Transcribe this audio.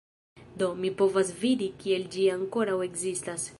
Do, mi povas vidi kiel ĝi ankoraŭ ekzistas